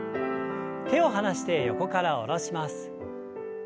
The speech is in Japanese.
手を離して横から下ろします。